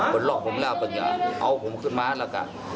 คนหลอกผมแล้วเอาผมขึ้นมาแล้วก็